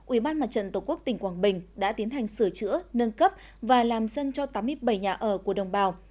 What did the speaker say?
ủy ban mặt trận tổ quốc tỉnh quảng bình đã tiến hành sửa chữa nâng cấp và làm sân cho tám mươi bảy nhà ở của đồng bào